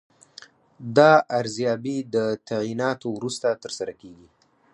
دا ارزیابي د تعیناتو وروسته ترسره کیږي.